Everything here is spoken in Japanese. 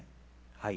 はい。